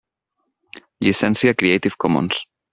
Llicència Creative Commons.